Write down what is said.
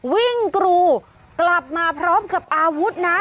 กรูกลับมาพร้อมกับอาวุธนะ